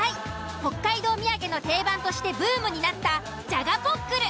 北海道土産の定番としてブームになったじゃがポックル。